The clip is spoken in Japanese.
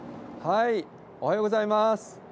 おはようございます。